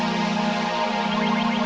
jangan lupa like share dan subscribe ya